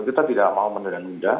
kita tidak mau menunda nunda